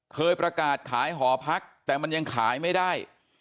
เคยประกาศขายหอพักแต่มันยังขายไม่ได้